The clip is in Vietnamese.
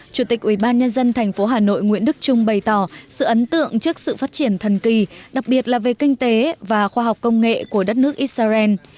chủ tịch ubnd tp hà nội nguyễn đức trung bày tỏ sự ấn tượng trước sự phát triển thần kỳ đặc biệt là về kinh tế và khoa học công nghệ của đất nước israel